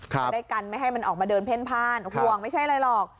จะได้กันไม่ให้มันออกมาเดินเพ่นพ่านห่วงไม่ใช่อะไรหรอก